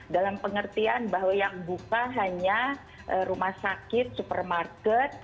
dalam pengertian bahwa yang buka hanya rumah sakit supermarket